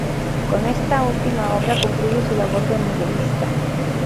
Con esta última obra concluye su labor de muralista.